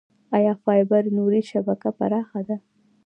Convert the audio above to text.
آیا فایبر نوري شبکه پراخه ده؟